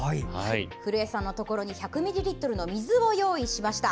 古谷さんのところに１００ミリリットルの水を用意しました。